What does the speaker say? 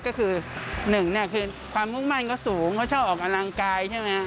ก็คือความคุ้มมั่นก็สูงเขาชอบออกอลังกายใช่ไหม